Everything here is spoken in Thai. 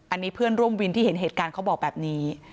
อันนี้เพื่อนร่วมวินที่เห็นเหตุการณ์เขาบอกแบบนี้